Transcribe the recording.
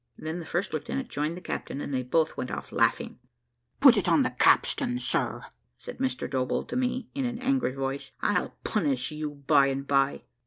Then the first lieutenant joined the captain, and they both went off laughing. "Put it on the capstan, sir," said Mr Doball to me, in an angry voice. "I'll punish you by and by."